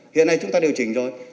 hiện nay chúng ta điều chỉnh rồi